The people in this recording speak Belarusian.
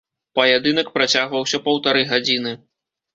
Паядынак працягваўся паўтары гадзіны.